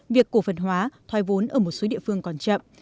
việc cổ phần hóa thoai vốn ở một số địa phương còn chậm